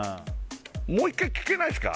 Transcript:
もう１回聴けないですか？